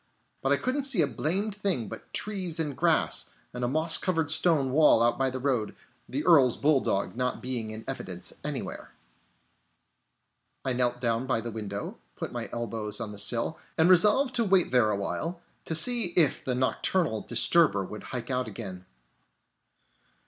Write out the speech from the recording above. But I couldn't see a blamed thing but trees and grass, and a moss covered stone wall out by the road; the Earl's bulldog not being in evidence anywhere. I knelt down by the window, put my elbows on the sill, and resolved to wait there awhile, to see if the nocturnal disturber would hike out again.